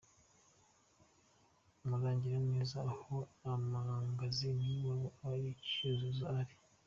Amurangira neza aho amangazini y’iwabo wa Cyuzuzo ari.